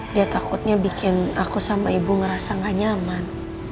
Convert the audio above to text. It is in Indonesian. dia takutnya bikin aku sama ibu ngerasa gak nyaman